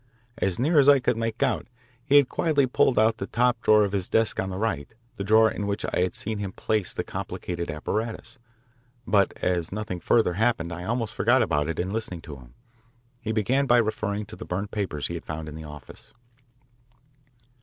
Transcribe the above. As near as I could make out, he had quietly pulled out the top drawer of his desk on the right, the drawer in which I had seen him place the complicated apparatus. But as nothing further happened I almost forgot about it in listening to him. He began by referring to the burned papers he had found in the office.